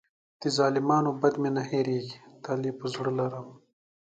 د ظالمانو بد مې نه هېرېږي، تل یې په زړه لرم.